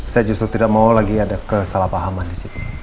saya justru tidak mau lagi ada kesalahpahaman disitu